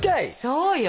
そうよ。